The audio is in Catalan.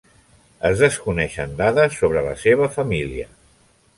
Es desconeixen dades sobre la seva família.